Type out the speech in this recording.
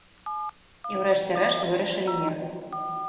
І ў рэшце рэшт вырашылі ехаць.